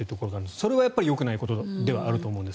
それはやっぱりよくないことではあると思うんです。